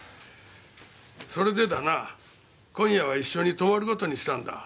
それでだな今夜は一緒に泊まる事にしたんだ。